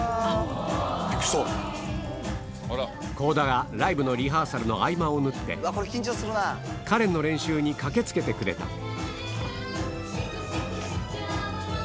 倖田がライブのリハーサルの合間を縫ってカレンの練習に駆け付けてくれた